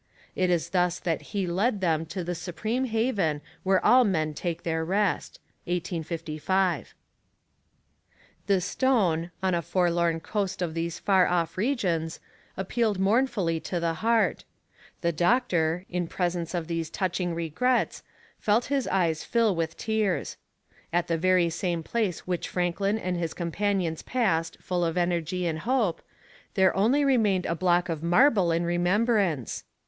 "It is thus that He led them to the supreme haven where all men take their rest. "1855." This stone, on a forlorn coast of these far off regions, appealed mournfully to the heart; the doctor, in presence of these touching regrets, felt his eyes fill with tears. At the very same place which Franklin and his companions passed full of energy and hope, there only remained a block of marble in remembrance!